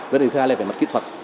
với thứ hai là về mặt kỹ thuật